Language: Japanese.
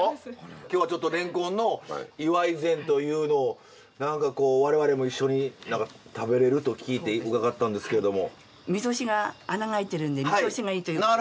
今日はちょっとれんこんの祝い膳というのを何か我々も一緒に食べれると聞いて伺ったんですけれども。